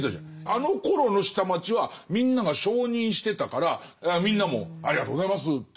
あのころの下町はみんなが承認してたからみんなも「ありがとうございます」っていう。